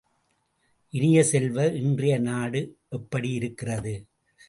இனிய செல்வ., இன்றைய நாடு எப்படி இருக்கிறது?